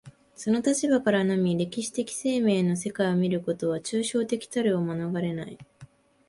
その立場からのみ歴史的生命の世界を見ることは、抽象的たるを免れない。